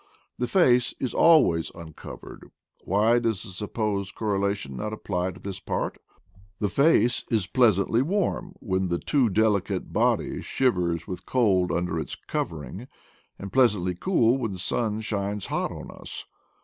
The face is always uncovered; why does the supposed cor relation not apply to this partf The face is pleas antly warm when the too delicate body shivers with cold under its covering; and pleasantly cool when the sun shines hot on us.